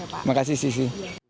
terima kasih sisi